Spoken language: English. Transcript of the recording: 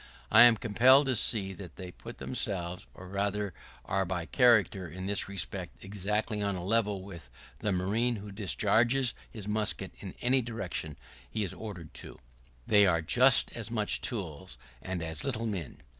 I am compelled to see that they put themselves, or rather are by character, in this respect, exactly on a level with the marine who discharges his musket in any direction he is ordered to. They are just as much tools, and as little men.